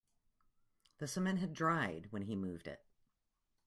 The cement had dried when he moved it.